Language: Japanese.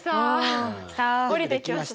おりてきました